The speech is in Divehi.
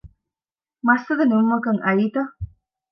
މައްސަލަ ނިމުމަކަށް އައީތަ؟